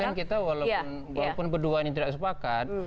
tapi kan kita walaupun berdua ini tidak bersepakat